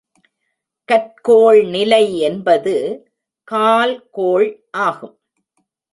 கற்கோள்நிலை என்பது கால் கோள் ஆகும்.